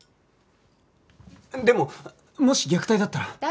でももし虐待だったら。